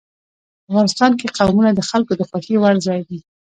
افغانستان کې قومونه د خلکو د خوښې وړ ځای دی.